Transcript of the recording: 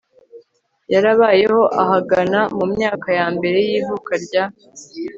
yarabayeho ahagana mu myaka ya mbere y ivuka rya